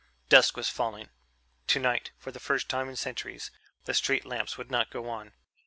Dusk was falling. Tonight, for the first time in centuries, the street lamps would not go on.